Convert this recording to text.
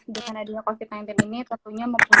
dengan adanya covid sembilan belas ini tentunya mempunyai